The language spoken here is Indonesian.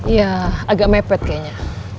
ya agak mepet kayaknya